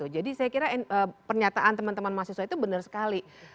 jadi saya kira pernyataan teman teman mahasiswa itu benar sekali